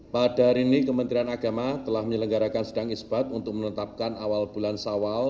pada hari ini kementerian agama telah menyelenggarakan sedang isbat untuk menetapkan awal bulan sawal